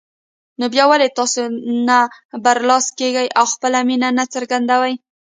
نو بيا ولې تاسو نه برلاسه کېږئ او خپله مينه نه څرګندوئ